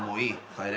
帰れ。